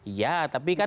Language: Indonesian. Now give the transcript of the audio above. iya tapi kan